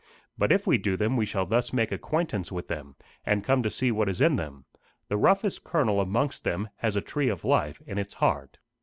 But if we do them we shall thus make acquaintance with them, and come to see what is in them. The roughest kernel amongst them has a tree of life in its heart."